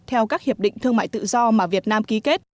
theo các hiệp định thương mại tự do mà việt nam ký kết